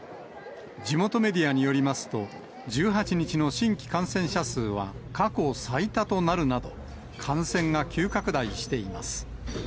地元メディアによりますと、１８日の新規感染者数は過去最多となるなど、感染が急拡大しています。